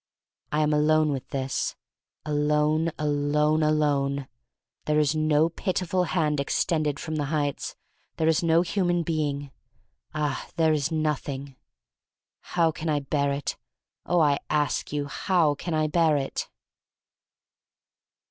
I am alone with this — alone, alone, alonel There is no pitiful hand ex tended from the heights — there is no human being^ah, there is Nothing. How can I bear it! Oh, I ask you — how can I bear it!